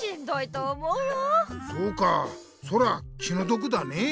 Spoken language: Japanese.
そうかそりゃ気のどくだねえ。